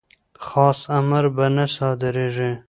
خاص امر به نه صادریږي.